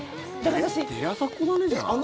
テレ朝っ子だねじゃあ。